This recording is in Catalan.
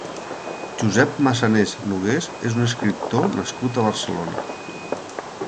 Josep Masanés Nogués és un escriptor nascut a Barcelona.